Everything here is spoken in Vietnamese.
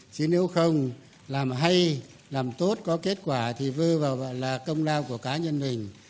chứ nếu không làm hay làm tốt có kết quả thì vơ vào là công lao của cá nhân mình